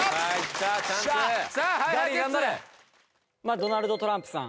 ドナルド・トランプさん。